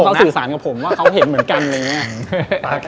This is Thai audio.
เขาสื่อสารกับผมว่าเขาเห็นเหมือนกันอะไรอย่างนี้